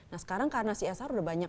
nah sekarang karena csr udah banyak